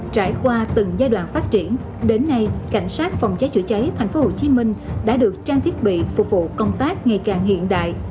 trải qua từng giai đoạn phát triển đến nay cảnh sát phòng cháy chữa cháy tp hcm đã được trang thiết bị phục vụ công tác ngày càng hiện đại